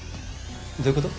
どういうこと？